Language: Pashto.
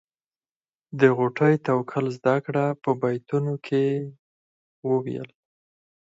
د غوټۍ توکل زده کړه په بیتونو کې وویل.